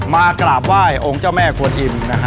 มากราบไหว้องค์เจ้าแม่กวนอิม